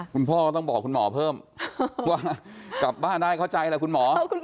คุณพ่อก็ต้องบอกคุณหมอเพิ่มว่ากลับบ้านได้เข้าใจแหละคุณหมอ